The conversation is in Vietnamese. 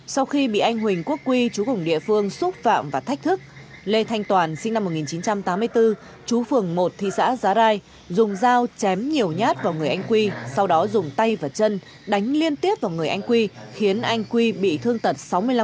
sau khi bị anh huỳnh quốc quy chú hùng địa phương xúc phạm và thách thức lê thanh toàn sinh năm một nghìn chín trăm tám mươi bốn chú phường một thị xã giá rai dùng dao chém nhiều nhát vào người anh quy sau đó dùng tay và chân đánh liên tiếp vào người anh quy khiến anh quy bị thương tật sáu mươi năm